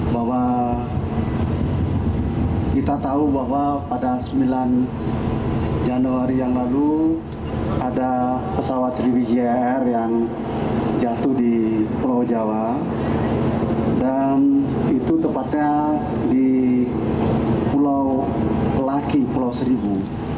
bahwa kita tahu bahwa pada sembilan januari yang lalu ada pesawat sriwijaya air yang jatuh di pulau jawa dan itu tepatnya di pulau pelaki pulau seribu